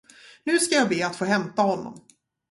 Nu skall jag be att få hämta honom.